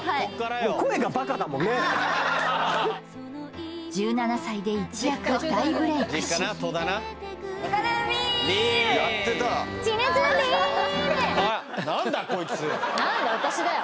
もう声がバカだもんね１７歳で一躍大ブレイクしなんだ私だよ